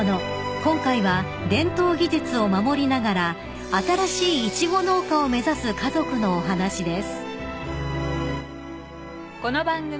［今回は伝統技術を守りながら新しいイチゴ農家を目指す家族のお話です］